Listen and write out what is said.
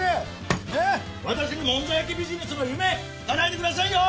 私のもんじゃ焼きビジネスの夢かなえてくださいよ！